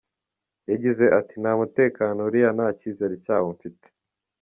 Yagize ati "Nta mutekano uriyo nta cyizere cyawo mfite.